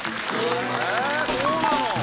そうなの？